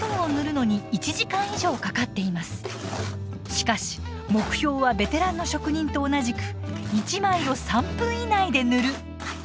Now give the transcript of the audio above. しかし目標はベテランの職人と同じく「１枚を３分以内で塗る」。